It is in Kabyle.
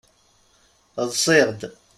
Ḍsiɣ-d.